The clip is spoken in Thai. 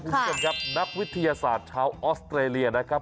คุณผู้ชมครับนักวิทยาศาสตร์ชาวออสเตรเลียนะครับ